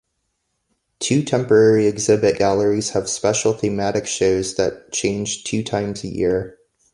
Two temporary exhibit galleries have special thematic shows that change two times a year.